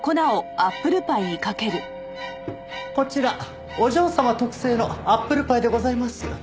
こちらお嬢様特製のアップルパイでございます。